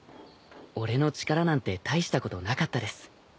俺の力なんて大したことなかったです。